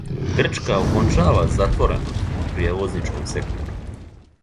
Грчка окончава "затвореност" у пријевозничком сектору